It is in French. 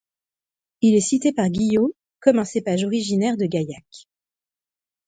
Il est cité par Guyot, comme un cépage originaire de Gaillac.